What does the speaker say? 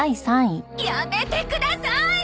やめてください！